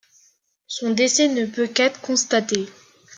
Son décès ne peut qu'être constaté.